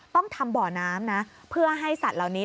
ต้องทำบ่อน้ำนะเพื่อให้สัตว์เหล่านี้